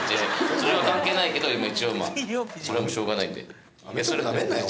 それは関係ないけど一応まあそれはもうしょうがないんで。